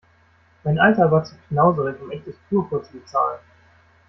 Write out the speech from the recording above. Mein Alter war zu knauserig, um echtes Purpur zu bezahlen.